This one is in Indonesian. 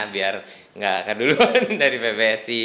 biar gak keduluan dari pbsi